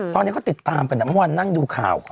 ตอนนี้เขาติดตามกันเมื่อวานนั่งดูข่าว